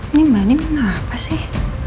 ini mbak nin kenapa sih